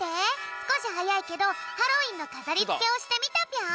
すこしはやいけどハロウィーンのかざりつけをしてみたぴょん！